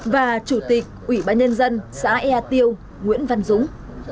và chủ tịch ủy ban nhân dân xã ea tiêu nguyễn văn dũng